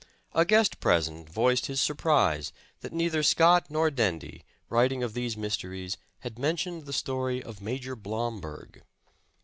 A guest present voiced his sur prise that neither Scott nor Dendie, writing of these mysteries, had mentioned the story of Major Blomberg.